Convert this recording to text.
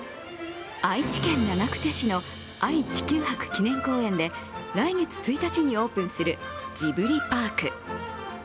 愛知県長久手市の愛・地球博記念公園で来月１日にオープンするジブリパーク。